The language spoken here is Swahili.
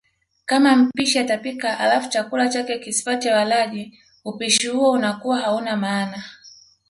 Kama mpishi atapika alafu chakula chake kisipate walaji, hupishi huo unakuwa hauna maana.